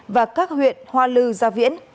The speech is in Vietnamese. và các huyện hoa lư gia viễn